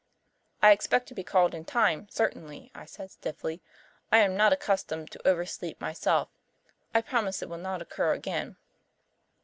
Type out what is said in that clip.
"I expected to be called in time, certainly," I said stiffly. "I am not accustomed to oversleep myself. I promise it will not occur again."